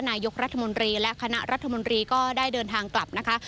นายกรัฐมนตรีและคณะรัฐมนตรีก็ได้เดินทางกลับนะคะ